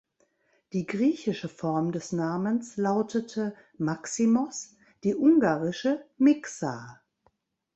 Die griechische Form des Namens lautete Maximos, die ungarische Miksa.